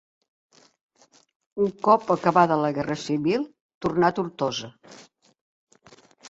Un cop acabada la Guerra Civil, torna a Tortosa.